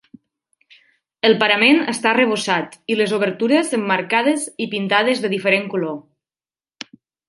El parament està arrebossat i les obertures emmarcades i pintades de diferent color.